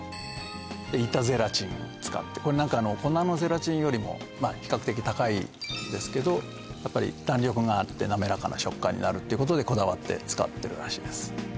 板ゼラチンを使って粉のゼラチンよりも比較的高いんですけどやっぱり弾力があって滑らかな食感になるっていうことでこだわって使ってるらしいです